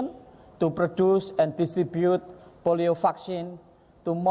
untuk memproduksi dan distribusi vaksin polio